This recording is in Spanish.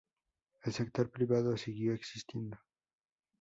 El sector privado siguió existiendo.